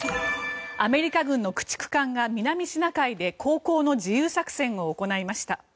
アメリカ軍の駆逐艦が南シナ海で航行の自由作戦を行いました。